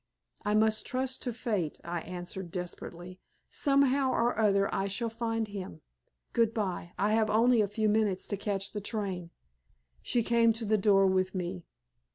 "I must trust to fate," I answered, desperately. "Somehow or other I shall find him. Goodbye. I have only a few minutes to catch the train." She came to the door with me.